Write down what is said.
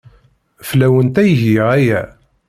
Fell-awent ay giɣ aya.